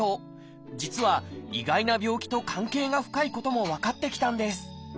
実は意外な病気と関係が深いことも分かってきたんです